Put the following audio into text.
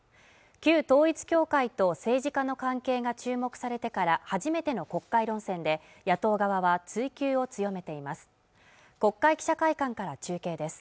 旧統一教会と政治家の関係が注目されてから初めての国会論戦で野党側は追及を強めています